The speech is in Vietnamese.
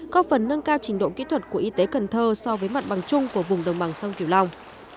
có phần nâng cao trình độ kỹ thuật của y tế cần thơ so với mặt bằng chung của vùng đồng bằng sông kiều long